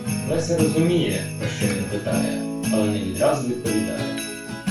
Леся розуміє, про що він питає, але не відразу відповідає.